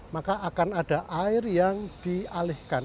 maka akan ada air yang dialihkan